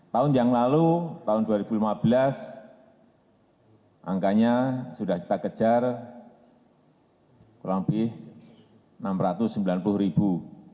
tahun yang lalu tahun dua ribu lima belas angkanya sudah kita kejar kurang lebih enam ratus sembilan puluh ribu